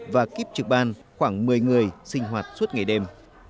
và kiếp trực ban khoảng một mươi người sinh hoạt suốt ngày đêm